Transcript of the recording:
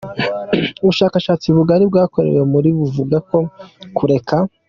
Ubushakashatsi bugari bwakorewe muri buvuga ko kureka.